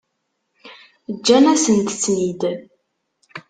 Ǧǧan-asent-ten-id.